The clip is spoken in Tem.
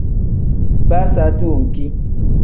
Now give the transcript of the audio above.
Baa saati wenki.